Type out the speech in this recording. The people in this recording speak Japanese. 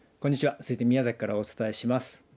続いて宮崎からお伝えします。